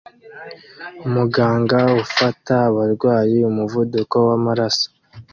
umuganga ufata abarwayi umuvuduko wamaraso